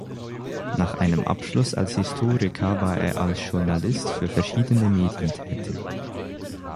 Nach einem Abschluss als Historiker war er als Journalist für verschiedene Medien tätig.